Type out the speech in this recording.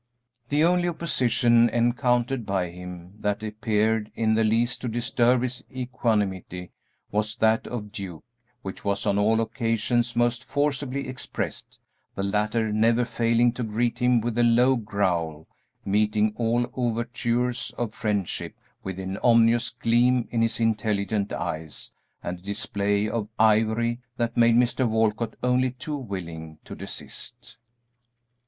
The only opposition encountered by him that appeared in the least to disturb his equanimity, was that of Duke, which was on all occasions most forcibly expressed, the latter never failing to greet him with a low growl, meeting all overtures of friendship with an ominous gleam in his intelligent eyes and a display of ivory that made Mr. Walcott only too willing to desist.